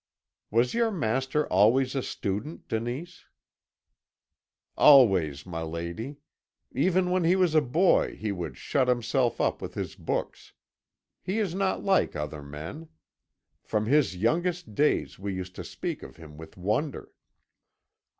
"'Was your master always a student, Denise?' "Always, my lady. Even when he was a boy he would shut himself up with his books. He is not like other men. From his youngest days we used to speak of him with wonder.'